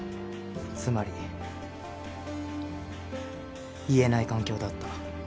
つまり言えない環境だった。